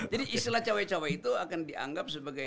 jadi istilah cewek cewek itu akan dianggap sebagai